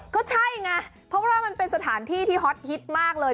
ก็ใช่ไงเพราะว่ามันเป็นสถานที่ที่ฮอตฮิตมากเลย